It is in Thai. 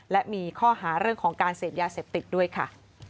และมีข้อหาเรื่องของการเสพยาเสพติดด้วยค่ะ